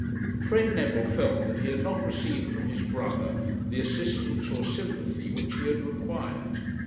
Fred Neville felt that he had not received from his brother the assistance or sympathy which he had required.